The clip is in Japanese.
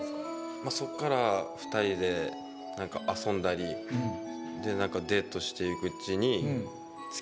まあそっから２人で遊んだりデートしていくうちに。